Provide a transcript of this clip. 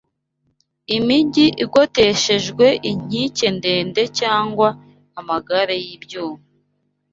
imijyi igoteshejwe inkike ndende cyangwa amagare y’ibyuma